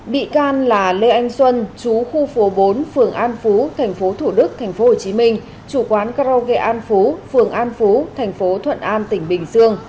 mỹ can là lê anh xuân chú khu phố bốn phường an phú tp thủ đức tp hcm chủ quán karoke an phú phường an phú tp thuận an tỉnh bình dương